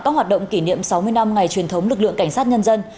các hoạt động kỷ niệm sáu mươi năm ngày truyền thống lực lượng cảnh sát nhân dân